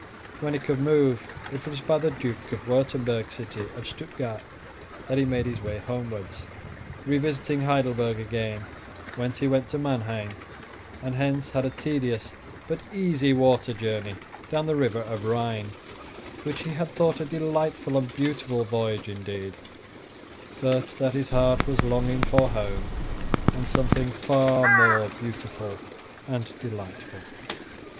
When he could move, it was by the Duke of Wurtemberg's city of Stuttgard that he made his way homewards, revisiting Heidelberg again, whence he went to Manheim, and hence had a tedious but easy water journey down the river of Rhine, which he had thought a delightful and beautiful voyage indeed, but that his heart was longing for home, and something far more beautiful and delightful.